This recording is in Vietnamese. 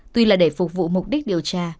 tuy là để phục vụ mục đích điều tra